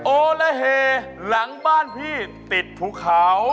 โอละเฮหลังบ้านพี่ติดภูเขา